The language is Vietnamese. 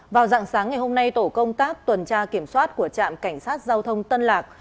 vào dạng sáng ngày hôm nay tổ công tác tuần tra kiểm soát của trạm cảnh sát giao thông tân lạc